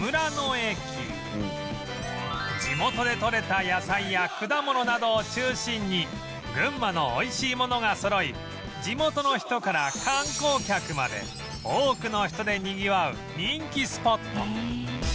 地元でとれた野菜や果物などを中心に群馬の美味しいものがそろい地元の人から観光客まで多くの人でにぎわう人気スポット